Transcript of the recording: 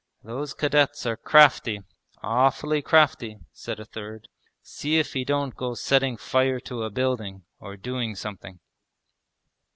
'Those cadets are crafty, awfully crafty,' said a third. 'See if he don't go setting fire to a building, or doing something!'